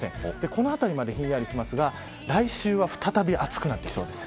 このあたりまでひんやりしますが来週は再び暑くなってきそうです。